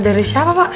dari siapa pak